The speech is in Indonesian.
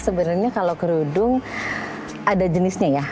sebenarnya kalau kerudung ada jenisnya ya